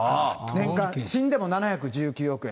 年間、死んでも７１９億円。